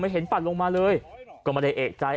เห็นปั่นลงมาเลยก็ไม่ได้เอกใจ